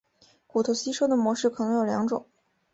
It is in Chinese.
骨头吸收的模式可能有两种。